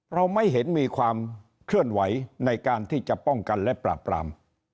เราไม่เห็นมีความเคลื่อนไหวในการที่จะป้องกันและปราบปราม